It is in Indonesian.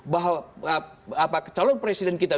bahwa calon presiden kita